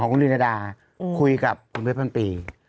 หลากหลายรอดอย่างเดียว